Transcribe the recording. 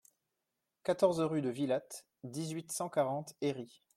quatorze rue de Villatte, dix-huit, cent quarante, Herry